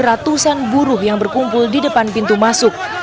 ratusan buruh yang berkumpul di depan pintu masuk